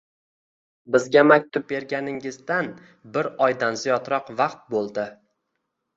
Bizga maktub berganingizdan bir oydan ziyodroq vaqt bo‘ldi.